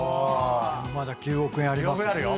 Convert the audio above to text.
まだ９億円ありますよ。